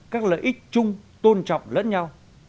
các lợi ích chung tôn trọng lẫn nhau